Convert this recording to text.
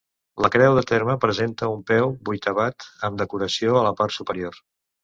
La creu de terme presenta un peu vuitavat amb decoració a la part superior.